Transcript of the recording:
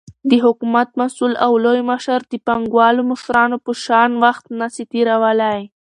دحكومت مسؤل او لوى مشر دپانگوالو مشرانو په شان وخت نسي تيرولاى،